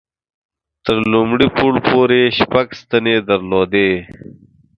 تر لومړي پوړ پورې یې شپږ ستنې درلودې.